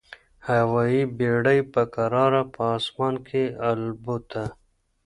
هوايي بېړۍ په کراره په اسمان کي البوته.